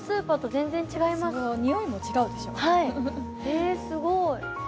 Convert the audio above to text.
えすごい。